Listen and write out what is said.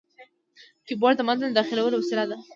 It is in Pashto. کیبورډ د متن داخلولو وسیله ده.